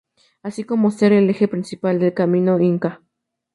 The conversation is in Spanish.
Así como ser el eje principal del camino inca.